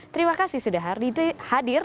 terima kasih sudah hadir